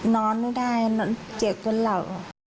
นอนไม่ได้จีบกับเหล่า